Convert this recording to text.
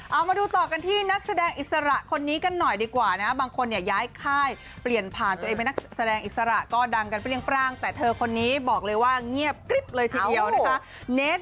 เอามาดูต่อกันที่นักแสดงอิสระคนนี้กันหน่อยดีกว่านะบางคนเนี่ยย้ายค่ายเปลี่ยนผ่านตัวเองเป็นนักแสดงอิสระก็ดังกันเปรี้ยงปร่างแต่เธอคนนี้บอกเลยว่าเงียบกริ๊บเลยทีเดียวนะคะ